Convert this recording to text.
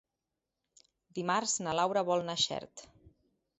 Dimarts na Laura vol anar a Xert.